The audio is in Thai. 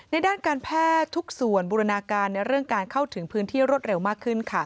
ด้านการแพทย์ทุกส่วนบูรณาการในเรื่องการเข้าถึงพื้นที่รวดเร็วมากขึ้น